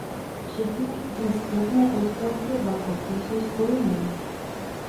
Všechny dnes platné australské bankovky jsou z polymeru.